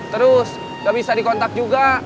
terus nggak bisa dikontak juga